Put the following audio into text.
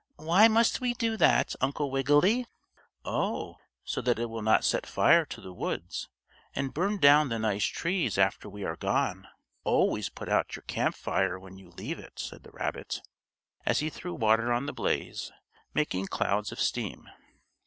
"Why must we do that, Uncle Wiggily?" "Oh, so that it will not set fire to the woods, and burn down the nice trees after we are gone. Always put out your camp fire when you leave it," said the rabbit, as he threw water on the blaze, making clouds of steam.